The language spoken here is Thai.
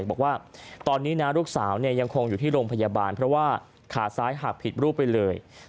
บอกว่าตอนนี้นะลูกสาวยังคงอยู่ที่โรงพยาบาลเพราะว่าขาซ้ายหักผิดรูปไปเลย